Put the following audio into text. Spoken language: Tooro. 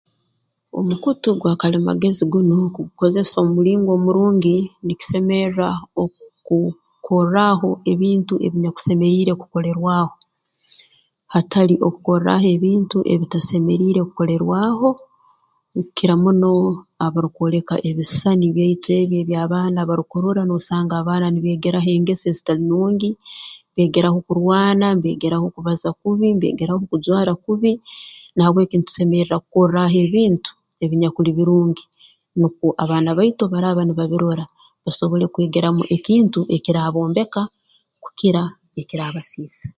Omukutu gwa kalimagezi gunu kugukozesa omu mulingo omurungi nikisemerra okukorraaho ebintu ebinyakusemeriire kukolerwaho hatali okukorraaho ebintu ebitasemeriire kukolerwaho kukira muno abarukwoleka ebisisani byaitu ebyo ebaana barukurora noosanga abaana nibeegeraho engeso ezitali nungi mbeegeraho kurwana mbeegeraho kubaza kubi mbeegeraho kujwara kubi na habw'eki ntusemerra kukorraaho ebintu ebinyakuli birungi nukwo abaana baitu obu baraaba nibabirora basoble kwegeramu ekintu ekiraabombeka kukira ekiraabasiisa